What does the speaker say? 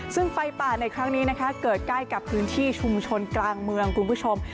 ซึ่งไฟป่าในครั้งนี้นะคะเกิดใกล้กับพื้นที่ชุมชนกลางเมืองคุณผู้ชม